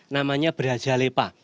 namanya berhaja lepa